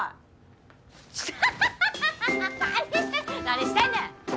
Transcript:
何してんねん！